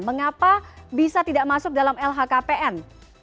mengapa bisa tidak masuk dalam lhkpn